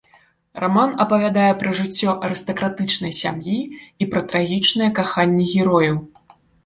Раман апавядае пра жыццё арыстакратычнай сям'і і пра трагічнае каханне герояў.